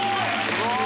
すごい！